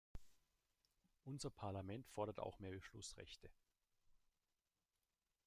Unser Parlament fordert auch mehr Beschlussrechte.